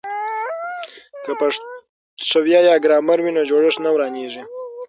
که پښویه یا ګرامر وي نو جوړښت نه ورانیږي.